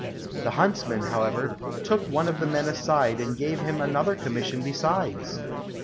The huntsman, however, took one of the men aside and gave him another commission besides.